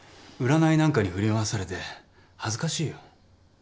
占いなんかに振り回されて恥ずかしいよ。